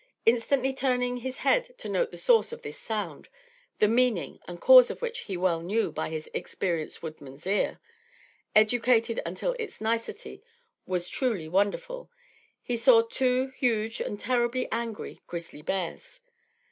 Instantly turning his head to note the source of this sound, the meaning and cause of which he well knew by his experienced woodman's ear, educated until its nicety was truly wonderful, he saw two huge and terribly angry grizzly bears.